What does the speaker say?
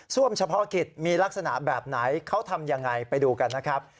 เฉพาะกิจมีลักษณะแบบไหนเขาทำยังไงไปดูกันนะครับ